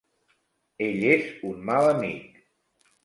Ell és un mal amic.